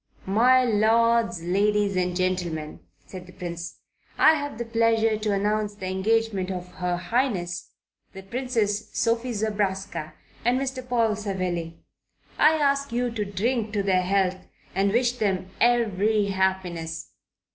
"My lords, ladies and gentlemen," said the Prince, "I have the pleasure to announce the engagement of Her Highness the Princess Sophie Zobraska and Mr. Paul Savelli. I ask you to drink to their health and wish them every happiness."